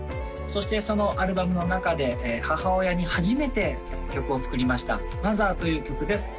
そしてそのアルバムの中で母親に初めて曲を作りました「マザー」という曲です